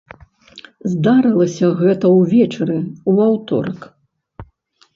Здарылася гэта ўвечары ў аўторак.